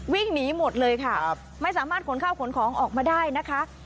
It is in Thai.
วิ่งหนีหมดเลยค่ะไม่สามารถขนข้าวขนของออกมาได้นะคะ